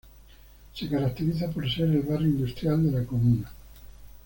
Se caracteriza por ser el barrio industrial de la comuna.